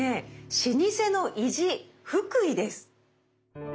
「老舗の意地福井」です。